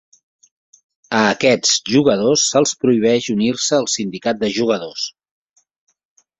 A aquests jugadors se'ls prohibeix unir-se al sindicat de jugadors.